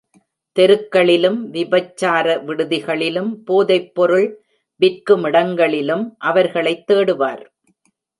தெருக்களிலும், விபச்சார விடுதிகளிலும், போதைப் பொருள் விற்குமிடங்களிலும் அவர்களைத் தேடுவார்.